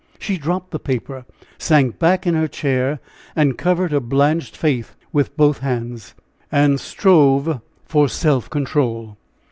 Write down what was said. She dropped the paper, sank back in her chair, and covered her blanched face with both hands, and strove for self control.